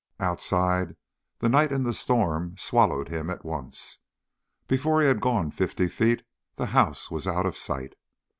Outside, the night and the storm swallowed him at once. Before he had gone fifty feet the house was out of sight.